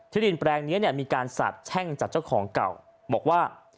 ดินแปลงนี้เนี่ยมีการสาบแช่งจากเจ้าของเก่าบอกว่า